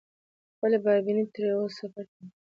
خپلې باربېنې تړي او سفر هم پاى ته رسي.